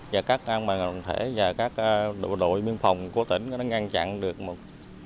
và các an bàn đoàn thể và các bộ đội biên phòng của tỉnh nó ngăn chặn được một